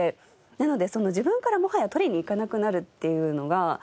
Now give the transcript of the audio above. なので自分からもはや取りに行かなくなるっていうのが。